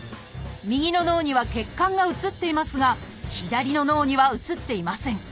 右の脳には血管が写っていますが左の脳には写っていません。